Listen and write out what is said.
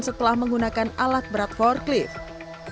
setelah menggunakan alat berat forklift